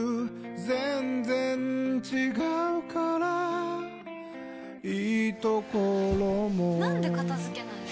全然違うからいいところもなんで片付けないの？